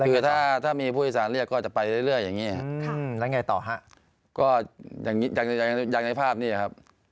คือถ้ามีผู้โดยสารเรียกก็จะไปเรื่อยอย่างนี้ครับ